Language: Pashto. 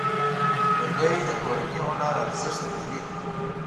لرګی د کورني هنر ارزښت لري.